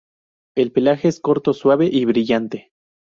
El pelaje es corto, suave y brillante.